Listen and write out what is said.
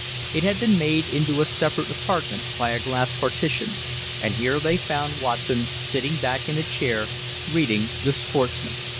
It had been made into a separate apartment by a glass partition, and here they found Watson sitting back in a chair, reading The Sportsman.